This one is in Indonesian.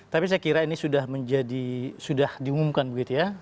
tapi saya kira ini sudah menjadi sudah diumumkan begitu ya